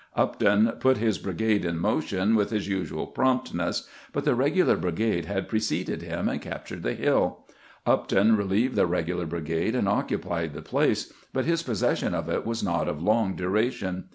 Upton put his brigade in motion with his usual promptness, but the regular brigade had preceded him and captured the hill. Upton relieved the regular 118 CAMPAIGNING WITH GEANT brigade and oecupied the place, but bis possession of it was not of long duration.